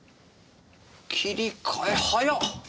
切り替え早っ！